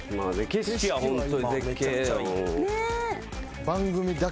景色はホントに絶景。